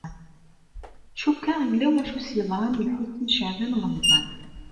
Cukkeɣ yella wacu s-yeḍran i Lḥusin n Caɛban u Ṛemḍan.